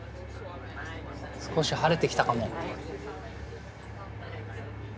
少し晴れてきたかも。